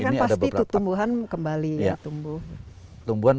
ini kan pasti tumbuhan kembali tumbuh